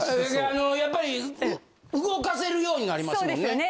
あのやっぱり動かせるようになりますもんね？